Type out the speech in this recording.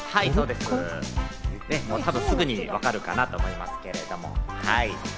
多分、すぐにわかるかなと思いますけれども、はい。